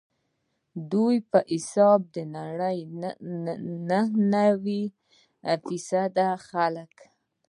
ددوی په حساب د نړۍ نهه نوي فیصده خلک.